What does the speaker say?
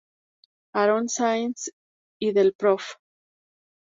Aarón Sáenz y del Profr.